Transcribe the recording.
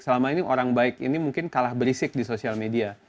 selama ini orang baik ini mungkin kalah berisik di sosial media